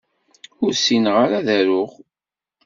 Ur ssineɣ ara ad aruɣ.